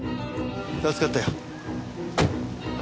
助かったよ。